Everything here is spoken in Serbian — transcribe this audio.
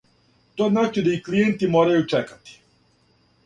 То значи да и клијенти морају чекати.